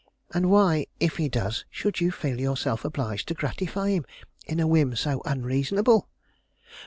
And why, if he does, should you feel yourself obliged to gratify him in a whim so unreasonable?"